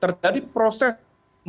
terjadi proses yang berbeda